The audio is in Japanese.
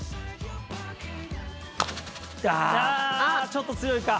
ああーちょっと強いか。